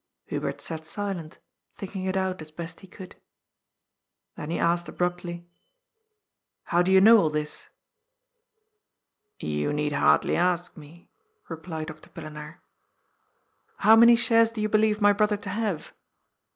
Hubert sat silent, thinking it out as best he could. Then he asked abruptly :" How do you know all this ?^" You need hardly ask me," replied Dr. Pillenaar. "How many shares do you believe my brother to have?"